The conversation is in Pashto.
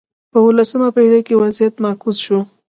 په اولسمه پېړۍ کې وضعیت معکوس شو.